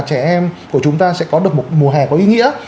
trẻ em của chúng ta sẽ có được một mùa hè có ý nghĩa